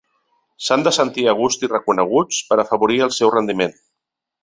S’han de sentir a gust i reconeguts per afavorir el seu rendiment.